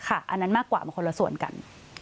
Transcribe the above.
อันนั้นมากกว่ามันคนละส่วนกัน